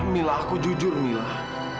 minah aku jujur minah